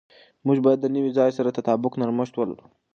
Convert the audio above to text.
موږ باید د نوي ځای سره د تطابق نرمښت ولرو.